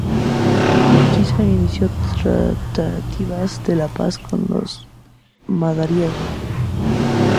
Urquiza inició tratativas de paz con los Madariaga.